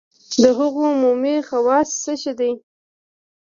د هغو عمومي خواص څه شی دي؟